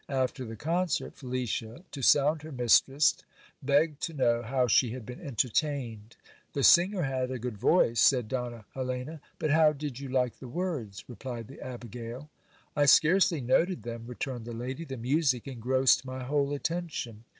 After the concert Felicia, to sound her mistress, begged to know how she had been entertained. The singer had a good voice, said Donna Helena. But how did you like the words ? replied the abigail. I scarcely noted them, returned the lady ; the music engrossed my whole attention.